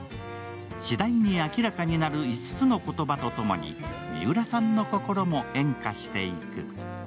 次第に明らかになる５つの言葉とともにミウラさんの心も変化していく。